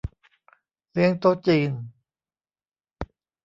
เลี้ยงโต๊ะจีน